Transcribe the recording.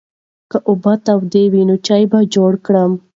که اوبه تودې وي نو چای به جوړ کړم.